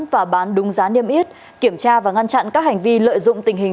và bán đúng giá niêm yết kiểm tra và ngăn chặn các hành vi lợi dụng tình hình